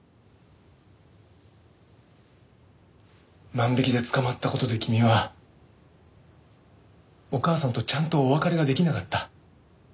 万引きで捕まった事で君はお母さんとちゃんとお別れができなかった。